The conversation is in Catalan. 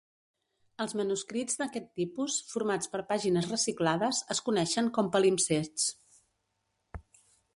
Els manuscrits d"aquest tipus, formats per pàgines reciclades, es coneixen com palimpsests.